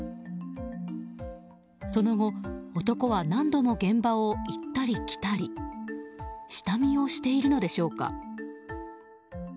その後、男は何度も現場を行ったり来たり。下見をしているのでしょうか。